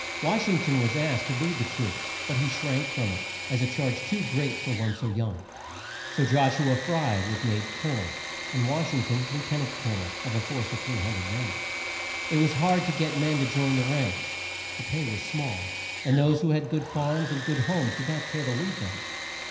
Wash ing ton was asked to lead the troops, but he shrank from it as a charge too great for one so young. So Josh u a Fry was made Col o nel, and Wash ing ton Lieu ten ant Col o nel of a force of 300 men. It was hard work to get men to join the ranks. The pay was small, and those who had good farms and good homes did not care to leave them.